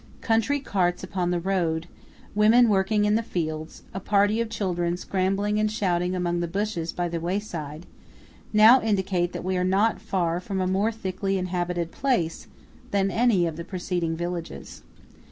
Country carts upon the road, women working in the fields, a party of children scrambling and shouting among the bushes by the wayside, now indicate that we are not far from a more thickly inhabited place than any of the preceding villages.